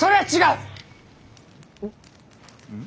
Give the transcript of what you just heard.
うん？